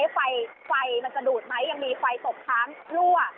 ไฟจะดูดไหมยังมีไฟตบท้างลั่ว